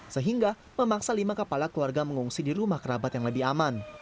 sehingga memaksa lima kepala keluarga mengungsi di rumah kerabat yang lebih aman